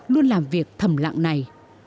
luôn làm việc thầm lạng này